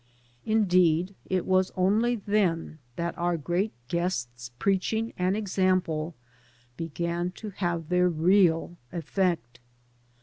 Indeed, it was only then that our great guest's preaching and example began to have their real effect.